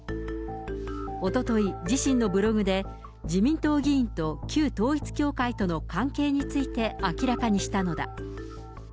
おととい、自身のブログで、自民党議員と旧統一教会との関係について明らかにしたのだ。